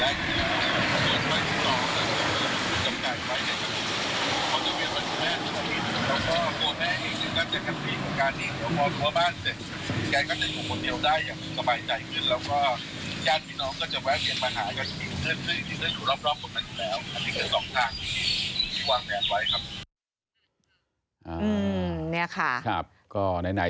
เผื่อเขายังไม่ได้งาน